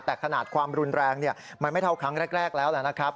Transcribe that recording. แต่ขนาดความรุนแรงมันไม่เท่าครั้งแรกแล้วนะครับ